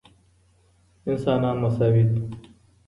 انسانان مساوي دي.